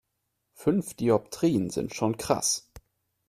Fünf Dioptrien sind schon krass.